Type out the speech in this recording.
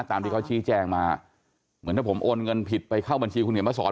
ตามที่เขาชี้แจงมาเหมือนถ้าผมโอนเงินผิดไปเข้าบัญชีคุณเหนียวมาสอน